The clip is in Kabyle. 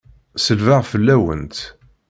Selbeɣ fell-awent!